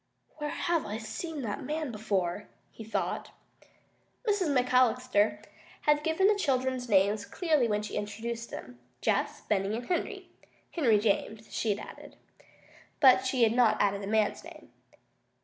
"Where have I seen that man before?" he thought. Mrs. McAllister had given the children's names clearly when she introduced them Jess, Benny, and Henry. Henry James, she had added. But she had not added the man's name.